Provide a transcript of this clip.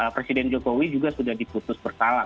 presiden jokowi juga sudah diputus bersalah